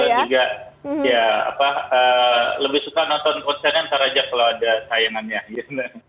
iya lebih suka nonton konser yang serajak kalau ada sayangannya